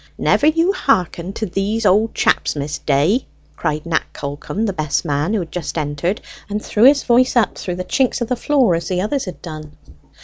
"Never you hearken to these old chaps, Miss Day!" cried Nat Callcome, the best man, who had just entered, and threw his voice upward through the chinks of the floor as the others had done.